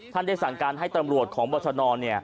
ท่านได้สั่งการให้ตำรวจของบรรชนอน